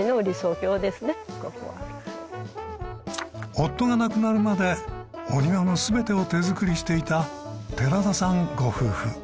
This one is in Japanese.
夫が亡くなるまでお庭の全てを手作りしていた寺田さんご夫婦。